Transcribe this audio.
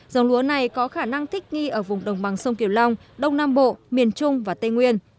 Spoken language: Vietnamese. dòng lúa này có khả năng thích nghi ở vùng đồng bằng sông kiều long đông nam bộ miền trung và tây nguyên